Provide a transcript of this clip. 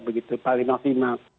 begitu paling optimal